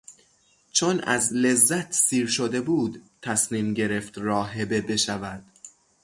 چون از لذت سیر شده بود تصمیم گرفت راهبه بشود.